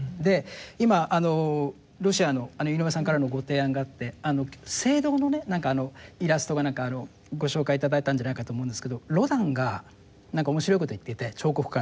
今ロシアの井上さんからのご提案があって聖堂のイラストか何かご紹介いただいたんじゃないかと思うんですけどロダンが何か面白いこと言っていて彫刻家の。